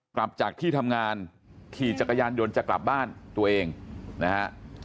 กลับจากที่ทำงานขี่จักรยานยนต์จะกลับบ้านตัวเองนะฮะ